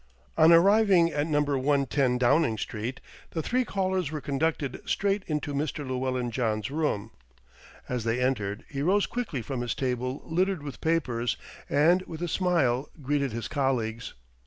On arriving at no, Downing Street, the three callers were conducted straight into Mr. Llewellyn John's room. As they entered, he rose quickly from his table littered with papers, and with a smile greeted his colleagues.